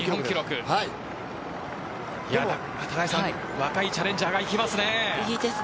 若いチャレンジャーがいきます。